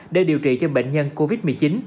để điều trị cho bệnh nhân covid một mươi chín